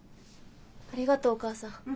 ありがとうお母さん。